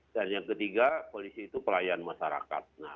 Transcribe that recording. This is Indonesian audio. dan yang ketiga polisi itu pelayan masyarakat